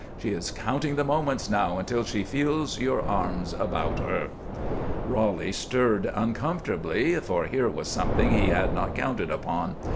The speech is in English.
She is counting the moments now until she feels your arms about her." Roly stirred uncomfortably, for here was something he had not counted upon.